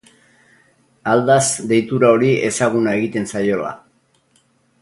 Aldaz deitura hori ezaguna egiten zaiola.